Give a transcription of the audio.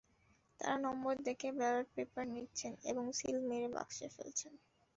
তাঁরা নম্বর দেখে ব্যালট পেপার নিচ্ছেন এবং সিল মেরে বাক্সে ফেলছেন।